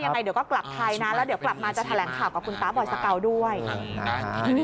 ดังนั้นหนูขอดรอปตัวเองโดยการที่ไม่ไปยุ่งกับเรื่องคดี